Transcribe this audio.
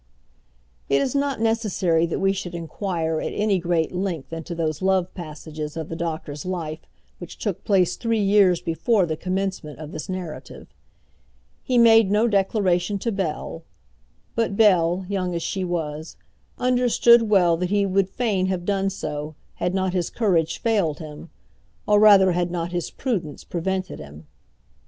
It is not necessary that we should inquire at any great length into those love passages of the doctor's life which took place three years before the commencement of this narrative. He made no declaration to Bell; but Bell, young as she was, understood well that he would fain have done so, had not his courage failed him, or rather had not his prudence prevented him.